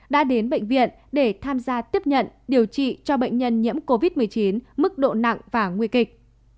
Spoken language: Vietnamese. đã đến bệnh viện để tham gia tiếp nhận điều trị cho bệnh nhân nhiễm covid một mươi chín mức độ nặng và nguy kịch